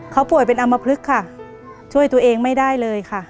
เขาป่วยเป็นอำมพลึกค่ะช่วยตัวเองไม่ได้เลยค่ะ